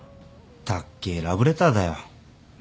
たっけえラブレターだよ。